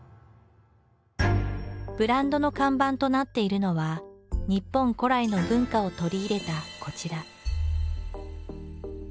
ブランドの看板となっているのは日本古来の文化を取り入れたこちら。